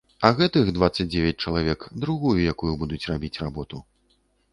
А гэтых дваццаць дзевяць чалавек другую якую будуць рабіць работу.